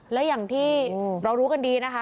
และอย่างที่เรารู้กันดีนะคะ